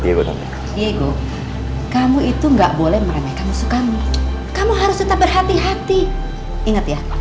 diego kamu itu enggak boleh meremehkan musuh kamu kamu harus tetap berhati hati ingat ya